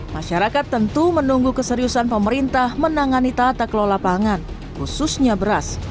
masyarakat tentu menunggu keseriusan pemerintah menangani tata kelola pangan khususnya beras